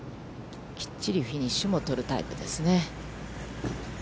きっちりフィニッシュも取るタイプですね。